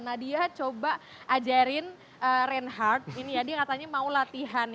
nadia coba ajarin reinhardt ini ya dia katanya mau latihan